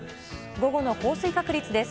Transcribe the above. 午後の降水確率です。